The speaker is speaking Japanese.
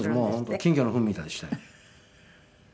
金魚のフンみたいでしたよ。